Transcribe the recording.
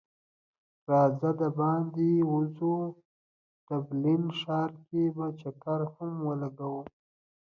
راځه د باندی وځو ډبلین ښار کی به چکر هم ولګو